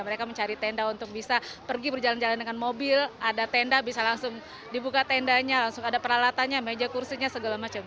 mereka mencari tenda untuk bisa pergi berjalan jalan dengan mobil ada tenda bisa langsung dibuka tendanya langsung ada peralatannya meja kursinya segala macam